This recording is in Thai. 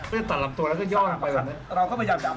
ไปต่อหลับตัวลำเป้าต่างแบบด้วย